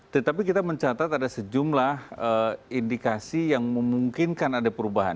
tetapi kita mencatat ada sejumlah indikasi yang memungkinkan ada perubahan